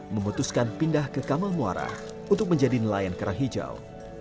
memutuskan pindah ke kamal muara untuk menjadi nelayan kerang hijau